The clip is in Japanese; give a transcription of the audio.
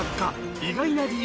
意外な理由